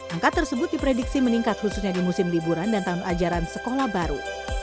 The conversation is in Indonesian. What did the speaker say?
angka tersebut diprediksi meningkat khususnya di musim liburan dan tahun ajaran sekolah baru